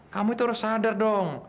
kamu itu harus sadar dong